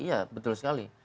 ya betul sekali